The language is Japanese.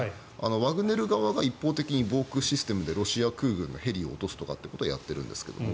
ワグネル側が一方的に防空システムでロシア空軍のヘリを落とすとかということはやってるんですが